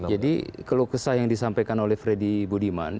jadi keluh kesah yang disampaikan oleh freddy budiman